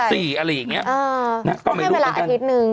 ๒๔อะไรอย่างนี้ต้องให้เวลาอาทิตย์นึง